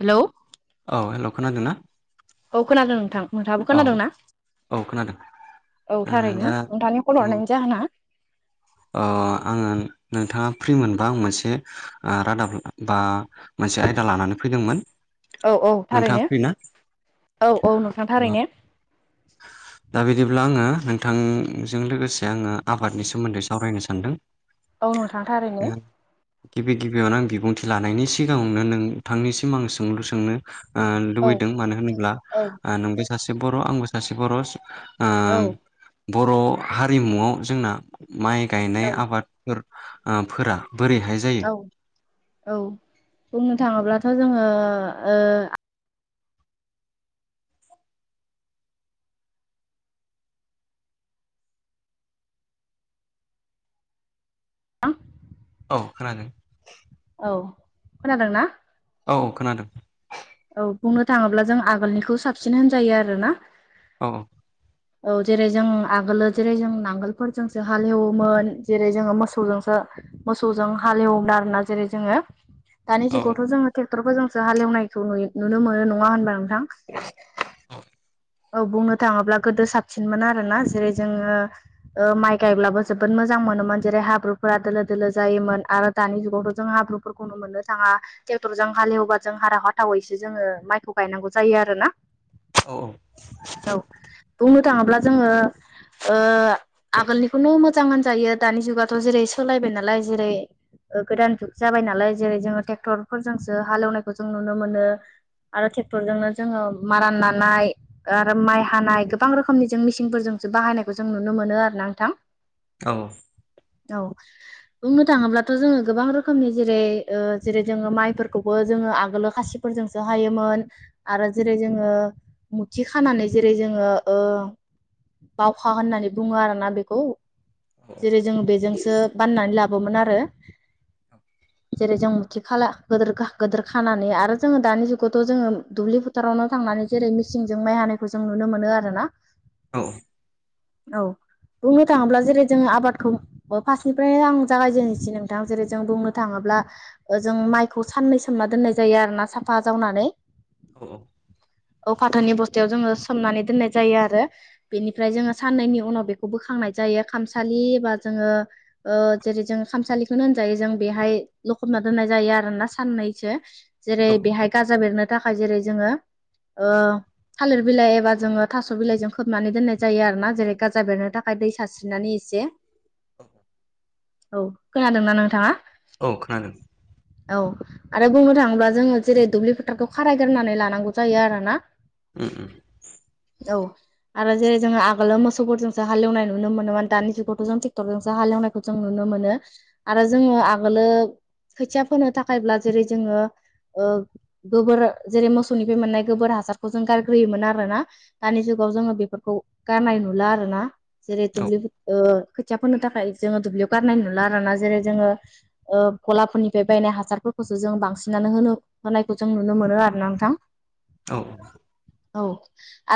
Hello. औ hello खोनादों ना? औ खोनादों नोंथां नोंथाङाबो खोनादों ना? औ खोनादों। औ ओ दा थारैनो नोंथांनि फन हरनायनि जाहोना। आङो नोंथांङा फ्रि मोनबा आं मोनसे रादाब बा मोनसे आयदा लानानै फैदोंमोन। औ औ नोंथाङा थारैनो फ्रि ना औ औ नोंथां थारै नो। दा बिदिब्ला आंङो नोंथांजों लोगोसे आंङो आबादनि सोमोन्दै सावरायनो सानदों। औ नोंथां थारैनो। गिबि गिबियावनो आं बिबुंथि लानायनि सिगाङावनो नोंथांनिसिम आं सोंलु सोंनो औ लुबैदों मानो होनोब्ला औ नोंबो सासे बर' आंबो सासे बर' औ बर' हारिमुआव जोंना माइ गायनाय आबाद फोर बोरैहाय जायो। औ औ बुंनो थाङोब्लाथ' जोंङो [unintelligible] औ खोनादों औ खोनादोंना? औ खोनादों औ बुंनो थांङोब्ला जों आगोलनिखौ साबसिन होनजायो आरो ना औ औ जेरै जों आगोलो जेरै जों नांगोलफोरजोंसो हालेवोमोन जेरै जोंङो मोसौजोंसो मोसौजों हालेवना आरोना जेरै जोङो दानि औ जुगावथ' जोङोट्रेक्टरफोरजोंसो हालेवनायखौ नुयो नुनो मोनो नङा होनबा [unintelligible] औ बुंनो थाङोब्ला गोदो साबसिनमोन आरो ना जेरै जोङो माइ गायब्लाबो जोबोद मोजां मोनोमोन जेरै हाब्रुफोरा दोलो दोलो जायोमोन आरो दानि जुगावथ' जों हाब्रुफोरखौ ननो मोननो थाङा ट्रेक्टरजों हालेवबा जों हारा हा थावैसो जोङो माइखौ गायनांगौ जायो आरो ना [unintelligible] औ बुंनो थाङोब्ला जोङो आगोलनिखौनो मोजां होनजायो दानि जुगाथ' जेरै सोलायबाय नालाय जेरै गोदान जुग जाबाय नालाय जेरै जोङो ट्रेक्टरफोरजोंसो हालेवनायखौ जों नुनो मोनो आरो ट्रेक्टरजोंनो जोङो मारा नानाय आरो माइ हानाय गोबां रोखोमनि जों मेचिनफोरजोंसो बाहायनायखौ जों नुनो मोनो आरो ना नोंथां औ औ बुंनो थाङोब्लाथ' जोङो गोबां रोखोमनि जेरै जेरै जोङो माइफोरखौबो जोङो आगोल खासिफोरजोंसो हायोमोन आरो जेरै जोङो मुथि खानानै जेरै जोङो ओ बावखा होननानै बुङो आरोना बेखौ जेरै जों बेजोंसो बाननानै लाबोयोमोन आरो जेरै जों मुथि खाला गोदोर खानानै आर आरो जोङो दानि जुगावथ' जोङो दुब्लि फोथारावनो थांनानै जेरै मिसिनजों माइ हानायखौ जों नुनो मोनो आरोना औ औ बुंनो थाङोब्ला जेरै जोङो आबादखौ अ फार्स्टनिफ्रायनो आं जागायजेननोसै नोंथां जेरै जों बुंनो थाङोब्ला जों माइखौ साननै सोमना दोननाय जायो आरोना साफा जावनानै [unintelligible] औ फाथोनि बस्थायाव जोङो सोमनानै दोननाय जायो आरो बेनिफ्राय जोङो साननैनि उनाव बेखौ बोखांनाय जायो खामसालि बा जोङो जेरै जों खामसालिखौनो होनजायो जों बेहाय लखबना दोननाय जायो आरोना साननैसो जेरै औ बेहाय गाजा बेरनो थाखाय जेरै जोङो ओ थालिर बिलाइ एबा जोङो थास' बिलाइजों खोबनानै दोननाय जायो आरो ना जेरै गाजा बेरनो थाखाय ओमफ्राय दै सानस्रिनानै एसे औ खोनादोंना नोंथाङा औ खोनादों औ आरो बुंनो थाङोब्ला जोङो जेरै दुब्लि फोथारखौ खारायग्रोनानै लानांगौ जायो आरो ना ओम ओम औ आरो जेरै जोङो आगोलो मोसौफोरजोंसो हालेवनाय नुनो मोनोमोन दानि जुगावथ' जों ट्रेक्टरजोंसो हालेवनाय खौ जों नुनो मोनो आरो जोङो आगोलो खोथिया फोनो थाखायब्ला जेरै जोङो गोबोर जेरै मोसौनिफ्राय मोननाय गोबोर हासारखौ जों गारग्रोयोमोन आरोना दानि जुगाव जोङो बेफोरखौ गारनाय नुला आरो ना जेरै औ दुब्लि ओ खोथिया फोनो थाखाय जोङो दुब्लियाव गारनाय नुला आरो ना जेरै जोङो ओ ग'लाफोरनिफाय बायनाय हासारफोरखौसो जों बांसिनानो होनो होनायखौ जों नुनो मोनो आरोना नोंथां औ औ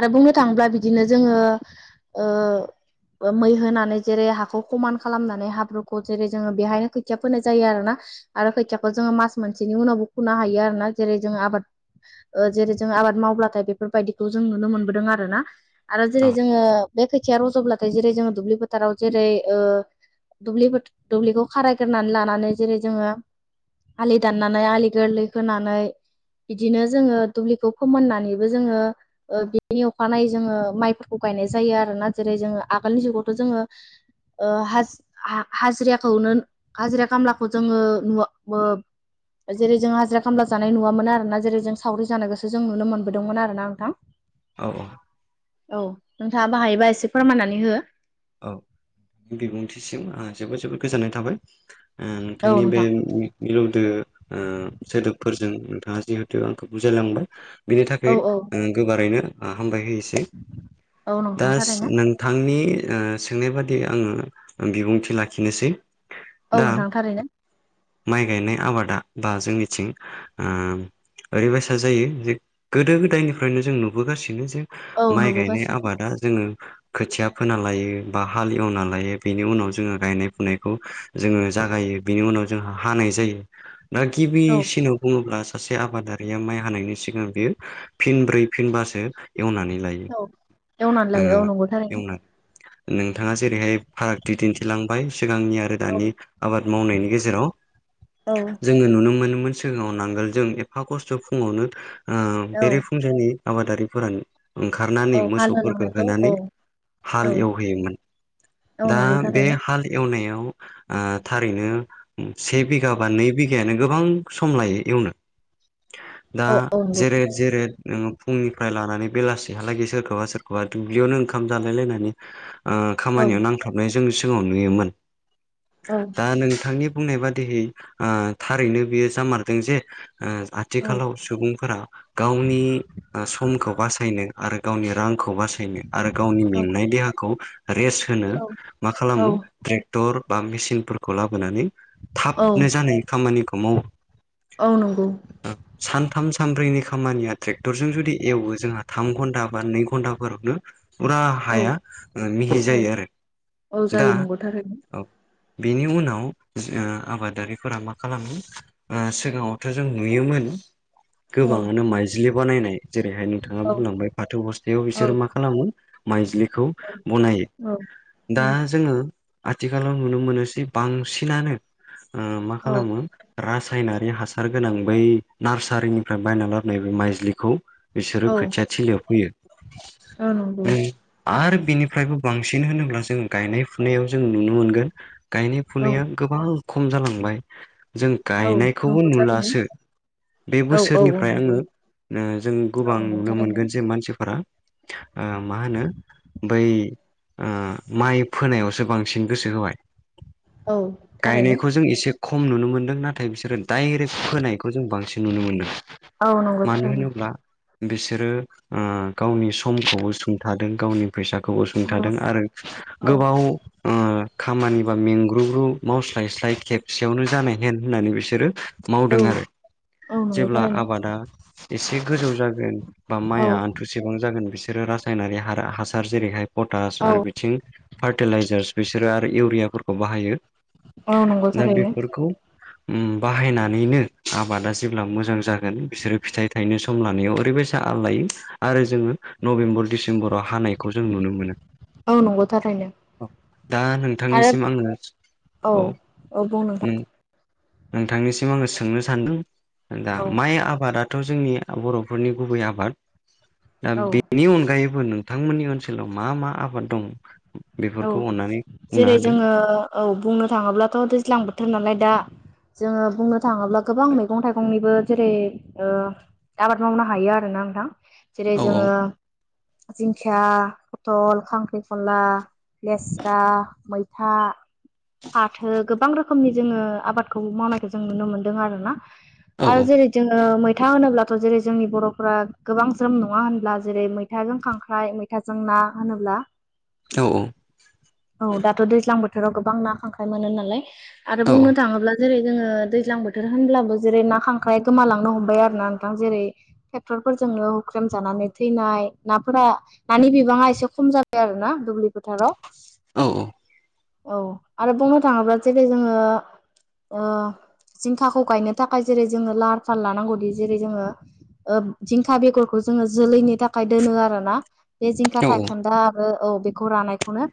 आरो बुंनो थाङोब्ला बिदिनो जोङो ओ मै होनानै जेरै हाखौ खमान खालामनानै हाब्रुखौ जेरै जोङो बेहायनो खोथिया फोनाय जायो आरोना आरो खोथियाखौ जोङो मास मोनसेनि उनावबो फुनो हायो आरोना जेरै जों आबाद ओ जेरै जों आबाद मावब्लाथाय बेफोरबायदिखौ जों नुनो मोनबोदों आरोना आरो औ जेरै जोङो बे खोथिया रज'ब्लाथाय जेरै जोङो दुब्लि फोथाराव जेरै ओ दुब्लि फो दुब्लिखौ खारायग्रोनानै लानानै जेरै जोङो आलि दाननानै आलि गोरलै खोनानै बिदिनो जोङो दुब्लिखौ फोमोननानैबो जोङो ओ बिनि अखानायै जोङो माइफोरखौ गायनाय जायो आरोना जेरै जोङो आगोलनि जुगावथ' जोङो ओ हा- हा हाजिराखौनो हाजिरा खामलाखौ जोङो नुवा बो जेरै जों हाजिरा खामला जानाय नुवामोन आरोना जेरै जों सावरि जानायखौसो जों नुनो मोनबोदोंमोन आरोना नोंथां औ औ औ नोंथाङाबा हायोबा एसे फोरमायनानै हो औ नोंथांनि बिबुंथिसिम आंहा जोबोद जोबोद गोजोननाय थाबाय ओ औ नोंथांनि बे नोंथां बि मिलौदो ओ सोदोबफोरजों नोंथाङा जिहेथु आंखौ बुजायलांबाय बिनि औ थाखाय औ ओ गोबारैनो हामबाय होयोसै औ नोंथां दास थारैनो नों थांनि ओ सोंनाय बादि आङो बिबुंथि लाखिनोसै औ दा नोंथां थारैनो माइ गायनाय आबादा बा जोंनिथिं ओ ओरैबायसा जायो जे गोदो-गोदायनिफ्रायनो जों नुबोगासिनो जे औ माइ गायनाय नुबोगासिनो आबादा जोङो खोथिया खोना लायो बा हाल एवना लायो बेनि उनाव जोङो गायनाय फुनायखौ जोङो जागायो बिनि उनाव जोंहा हानाय जायो दा औ गिबिसिनाव बुङोब्ला सासे आबादारिया माइ हानायनि सिगां बियो फिनब्रै फिनबासो एवनानै लायो। औ एवनानै ओ लायो औ नंगौ थारैनो। एवनानै नोंथाङा जेरैहाय फारागथि दिनथिलांबाय सिगांनि आरो औ दानि आबाद मावनायनि गेजेराव औ जोङो नुनो मोनोमोन सिगाङाव नांगोल जों एफा खस्थ' फुङावनो ओ औ बेरेफुंजानि आबादारिफोरानो औ ओंखारनानै मोसौफोरखो हालहोलांनायखौ औ होनानै औ हाल एवहैयोमोन औ दा नंगौ बे थारैनो हाल एवनायाव ओ थारैनो से बिगा बा नै बिघायानो गोबां सम लायो एवनो दा औ औ नंगौ जेरेद जेरेद नोङो फुंनिफ्राय लानानै बेलासिहालागै सोरखौबा सोरखौबा दुब्लियावनो ओंखाम जालायलायनानै ओ औ खामानियाव नांथाबनाय जों सिगाङाव नुयोमोन, औ दा नोंथांनि बुंनाय बादिहै ओ थारैनो बियो जामारदों जे ओ औ आथिखालाव सुबुंफोरा गावनि ओ समखौ बासायनो आरो गावनि रांखौ बासायनो आरो गावनि औ मेंनाय देहाखौ रेस्ट होनो औ मा औ खालामो ट्रेक्टर बा मेसिनफोरखौ लाबोनानै औ थाबनो जानाय खामानिखौ मावो। औ नंगौ। सानथाम सानब्रैनि खामानिया ट्रेक्टरजों जुदि एवो जोंहा थाम घन्टा बा नै घन्टाफोरावनो फुरा औ हाया मिहि औ जायो आरो औ दा जायो नंगौ थारैनो औ बिनि उनाव ओ आबादारिफोरा मा खालामो ओ सिगाङावथ' जों नुयोमोन औ गोबाङानो माइज्लि बानायनाय जेरैहाय नोंथाङा औ बुंलांबाय फाथो बस्थायाव औ बिसोरो मा खालामो माइज्लिखौ औ बनायो दा जोङो आथिखालाव नुनो मोनोसै बांसिनानो ओ मा खालामो रासायनारि हासार गोनां बै नार्सारिनिफ्राय बायना लाबोनाय बे माइज्लिखौ बिसोरो खोथिया थिलियाव फोयो ओ नंगौ आरो बिनिफ्रायबो बांसिन होनोब्ला जों गायनाय फुनायाव जों नुनो मोनगोन गायनाय औ फुनाया गोबां खम जालांबाय जों औ गायनायखौबो नंगौ थारैनो नुलासो बे औ औ बोसोरनिफ्राय आङो नंगौ ओ जों औ गोबां नंगौ नुनो थारैनो मोनगोन जे मानसिफोरा ओ मा होनो बै ओ माइ फोनायावसो बांसिन गोसो होबाय औ थारैनो गायनायखौ जों इसे खम नुनो मोनदों ना थाय बिसोरो डाइरेक्ट फोनायखौ जों बांसिन नुनो मोनदों औ नंगौ मानो थारैनो होनोब्ला बिसोरो ओ गावनि समखौबो सुंथादों गावनि फैसा खौबो औ सुंथादों आरो औ गोबाव अ खामानिबा मेंग्रुग्रु मावस्लायस्लाय खेबसेयावनो जानाय हेन होननानै बिस सोरो औ मावदों आरो औ नंगौ जेब्ला थारैनो आबादा इसे गोजौ जागोन बा औ माइआ थुसेबां जागोन बिसोरो रासायनारि ह हासार जेरैहाय पटास औ आरो बिथिं फार्टिलाइजार्स बिसोरो आरो इउरियाफोरखौ बाहायो औ नंगौ दा थारैनो बेफोरखौ उम बाहायनानैनो आबादा जेब्ला मोजां जागोन बिसोरो फिथाइ थाइनो सम लानायाव ओरैबाय आल लायो आरो जोङो नबेम्बर डिसेम्बराव हानाय खौ जों नुनो मोनो औ नंगौ थारैनो दा आरो नोंथांनिसिम आङो औ औ बुं नोंथां नोंथांनिसिम आङो सोंनो सान्दों दा औ माइ आबादा थ' जोंनि बर'फोरनि गुबै आबाद दा औ बेनि अनगायैबो नोंथांमोननि ओन ओनसोलाव मा मा आबाद दं औ बेफोरखौ अननानै बुंना जेरै होदो जोङो औ बुंनो थाङोब्लाथ' दैज्लां बोथोर नालाय दा जोङो बुंनो थाङोब्ला गोबां मैगं थाइगंनिबो जेरै आबाद मावनो हायो आरो ना नोंथां जेरै औ जोङो जिंखि फथल खांख्रिखला लेस्रा मैथा फाथो गोबां रो रोखोमनि जोङो आबादखौ मावनायखौ जों नुनो मोनदों आरोना औ आरो जेरै जोङो मै था होनोब्लाथ' जेरै जोंनि बर'फोरा गोबां ज्रोम नङा होनब्ला जेरै मैथाजों खांख्राइ मै थाजों ना होनोब्ला औ औ औ दाथ' दैज्लां बोथोराव गोबां ना खांख्राय मोनो नालाय आरो औ बुंनो थाङोब्ला जेरै जोङो दैज्लां बोथोर होनब्लाबो जेरै ना खांख्राइ गोमालांनो हमबाय आरो ना नोंथां जेरै ट्रेक्टरफोरजोंनो हुख्रेम जानानै थैनाय नाफोरा नानि बिबाङा एसे खम जाबाय आरो ना दुब्लि फोथाराव औ औ औ आरो बुंनो थाङोब्ला जेरै जोङो ओ जिंखाखौ गायनो थाखाय जेरै जोङो लाहार फाहार लानांगौदि जेरै जोङो ओ जिंखा बेगरखौ जोङो जोलैनि थाखाय दोनो आरो ना बे जिंखा औ थाइ खोनदा आरो औ बेखौ रानायखौनो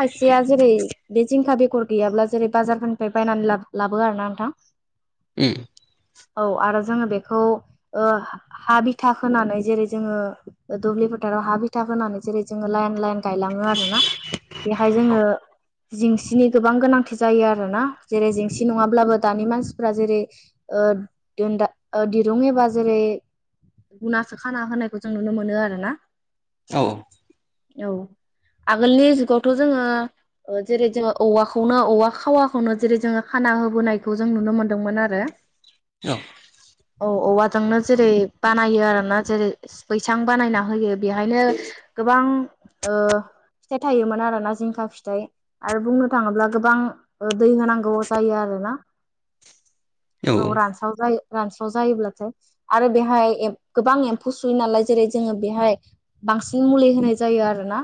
खायसेया जेरै बे जिंखा बेगर गैयाब्ला जेरै बाजारफोरनिफ्राय बायनानै ला लाबो आरो ना नोंथां उम औ आरो जोङो बेखौ ओ हा बिथा होनानै जेरै जोङो दुब्लि फोथाराव हा बिथाब होनानै जेरै जोङो लाइन लाइन गायलाङो आरो ना बेहाय जोङो जेंसिनि गोबां गोनांथि जायो आरो ना जेरै जेंसि नङाब्लाबो दानि मानसिफ्रा जेरै देनदा दिरुुं एबा जेरै गुना खाना होनायखौ जों नुनो मोनो आरो ना औ औ आगोलनि जुगावथ' जोङो जेरै जोङो औवाखौनो औवा खावाखौनो जेरै जोङो खाना होबोनायखौ जों नुनो मोनदोंमोन आरो औ औ औवाजोंनो जेरै बानायो आरो ना जेरै बैसां बानायना होयो बेहायनो गोबां फिथाइ थायोमोन आरो ना जिंखा फिथाइ आरो बुंनो थाङोब्ला गोबां दै होनांगौ जायो आरोना औ रानस्राव जायो रानस्राव जायोब्लाथाय आरो बेहाय गोबां एम्फौ सुयो नालाय जेरै जोङो बेहाय बांसिन मुलि होनाय जायो आरोना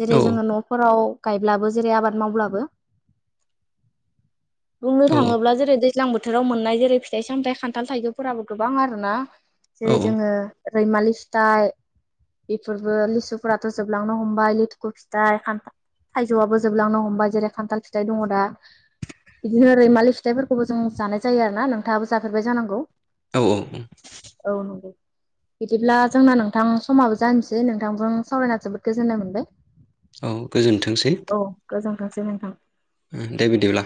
जेरै जोङो न'फोराव गायब्लाबो जेरै आबाद मावब्लाबो बुंनो थाङोब्ला जेरै दै दैज्लां बोथोराव मोननाय जेरै फिथाइ सामथाइ खान्थाल थाइजौफोराबो गोबां आरो ना औ जेरै जोङो रैमालि फिथाइ बेफोरबो लिसुफोराथ' जोब लांनो हमबाय लेथुखु फिथाइ खान्था थाइजौआबो जोबलांनो हमबाय जेरै खान्थाल फिथाइ दङ दा बिदिनो रैमालि फिथाइफोरखौबो जों जानाय जायो आरो ना नोंथाङाबो जाफेरबाय जानांगौ। औ औ औ उम औ नंगौ बिदिब्ला जोंना नोंथां समाबो जानोसै नोंथांजों सावरायना जोबोद गोजोननाय मोनबाय औ गोजोनथोंसै औ गोजोनथों सै नोंथां। दे बिदिब्ला